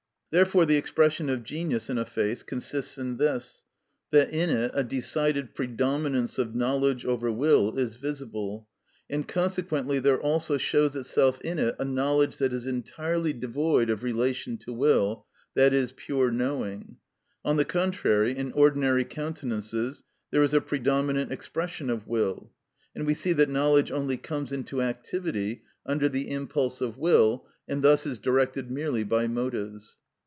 Therefore the expression of genius in a face consists in this, that in it a decided predominance of knowledge over will is visible, and consequently there also shows itself in it a knowledge that is entirely devoid of relation to will, i.e., pure knowing. On the contrary, in ordinary countenances there is a predominant expression of will; and we see that knowledge only comes into activity under the impulse of will, and thus is directed merely by motives.